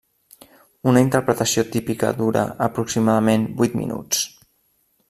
Una interpretació típica dura aproximadament vuit minuts.